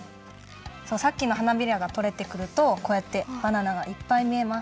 さっきの花びらがとれてくるとこうやってバナナがいっぱいみえます。